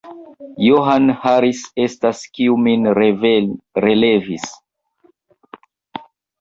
John Harris estas, kiu min relevis.